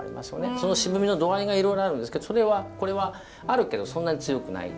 その渋みの度合いがいろいろあるんですけどこれはあるけどそんなに強くない。